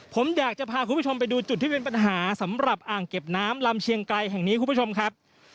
ผมอยากจะพาคุณผู้ชมไปดูจุดที่เป็นปัญหาสำหรับอ่างเก็บน้ำลำเชียงไกลแห่งนี้คุณผู้ชมครับ